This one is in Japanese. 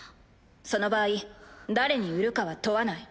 その場合誰に売るかは問わない。